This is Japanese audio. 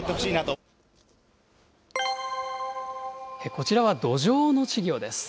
こちらはドジョウの稚魚です。